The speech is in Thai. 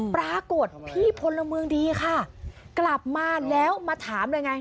ปรากฏพี่พลเมืองดีค่ะกลับมาแล้วมาถามเลยไง